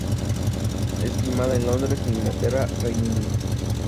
Es filmada en Londres, Inglaterra, Reino Unido.